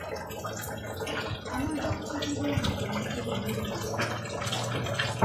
আমার বাকী জীবন তোমাকে দিয়ে দিতে চাই।